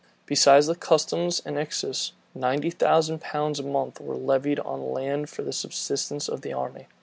Besides the customs and excise, ninety thousand pounds a month were levied on land for the subsistence of the army.